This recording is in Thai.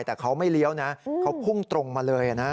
แต่เขาไม่เลี้ยวนะเขาพุ่งตรงมาเลยนะ